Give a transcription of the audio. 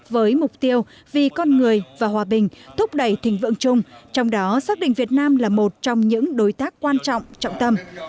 với mục tiêu vì con người và hòa bình thúc đẩy thịnh vượng chung trong đó xác định việt nam là một trong những đối tác quan trọng trọng tâm